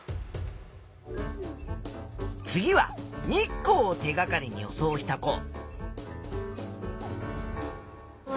次は日光を手がかりに予想した子。